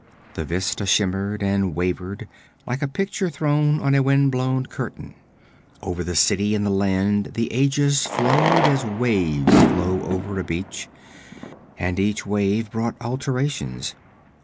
The vista shimmered and wavered, like a picture thrown on a windblown curtain. Over the city and the land the ages flowed as waves flow over a beach, and each wave brought alterations.